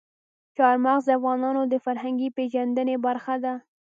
چار مغز د افغانانو د فرهنګي پیژندنې برخه ده.